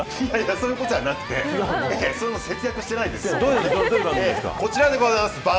そういうことじゃなくてそれも節約してないです。